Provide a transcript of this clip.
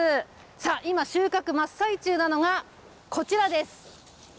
さあ、今、収穫真っ最中なのが、こちらです。